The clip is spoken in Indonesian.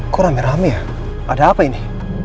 kurangnya ada apa ini